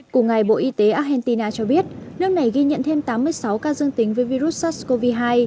cùng ngày bộ y tế argentina cho biết nước này ghi nhận thêm tám mươi sáu ca dương tính với virus sars cov hai